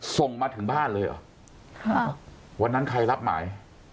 ส่งมาถึงบ้านเลยเหรอค่ะวันนั้นใครรับหมาย